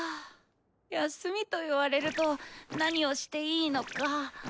休みと言われると何をしていいのか。